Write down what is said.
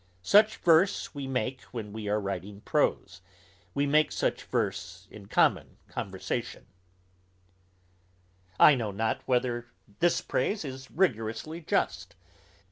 Such verse we make when we are writing prose; we make such verse in common conversation_. I know not whether this praise is rigorously just.